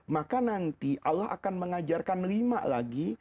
maka nanti allah akan mengajarkan lima lagi